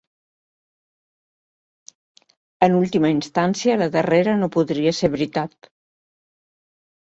En última instància, la darrera no podria ser veritat.